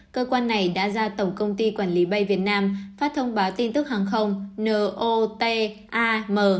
cơ quan này đã ra tổng công ty quản lý bay việt nam phát thông báo tin tức hàng không notam